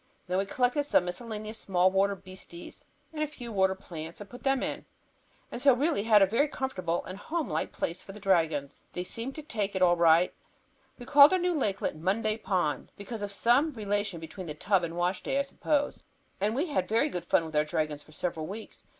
Then we collected some miscellaneous small water beasties and a few water plants, and put them in, and so really had a very comfortable and home like place for the dragons. They seemed to take to it all right; we called our new lakelet Monday Pond, because of some relation between the tub and washday, I suppose, and we had very good fun with our dragons for several weeks.